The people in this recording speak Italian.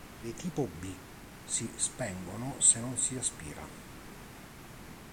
Le Tipo B si spengono se non si aspira.